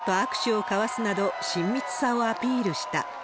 歌唱後、バイデン大統領と握手を交わすなど、親密さをアピールした。